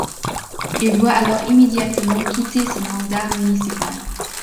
Il doit alors immédiatement quitter son mandat municipal.